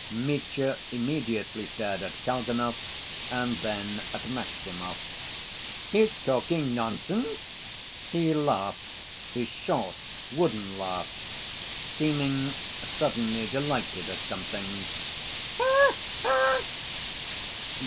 Mitya immediately stared at Kalganov and then at Maximov. "He's talking nonsense?" he laughed, his short, wooden laugh, seeming suddenly delighted at something—"ha ha!"